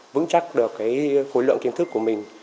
vững chắc được cái khối lượng kiến thức của mình